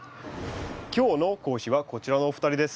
今日の講師はこちらのお二人です。